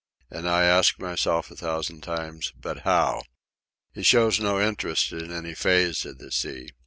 And I ask myself a thousand times, "But how?" He shows no interest in any phase of the sea.